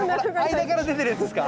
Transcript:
間から出てるやつですか？